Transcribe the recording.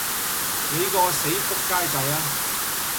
你個死仆街仔吖！